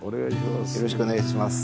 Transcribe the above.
よろしくお願いします。